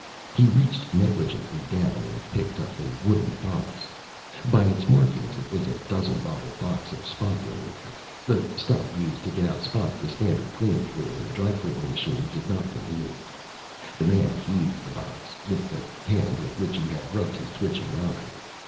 He reached negligently down and picked up a wooden box. By its markings, it was a dozen bottle box of spot remover the stuff used to get out spots the standard cleaning fluid in the dry cleaning machine did not remove. The man heaved the box, with the hand with which he had rubbed his twitching eye.